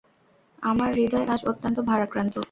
আমার হৃদয় আজ অতন্ত্য ভারাক্রান্ত।